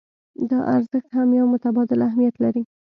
دا ارزښت هم يو متبادل اهميت لري.